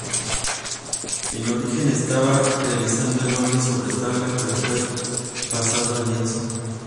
En origen estaba realizado al óleo sobre tabla, pero fue pasado a lienzo.